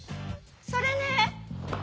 それね！